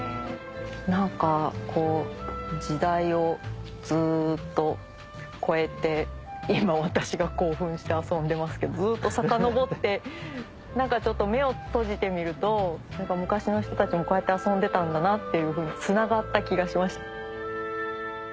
何かこう時代をずっと超えて今私が興奮して遊んでますけどずっとさかのぼってちょっと目を閉じてみると昔の人たちもこうやって遊んでたんだなっていうふうにつながった気がしました。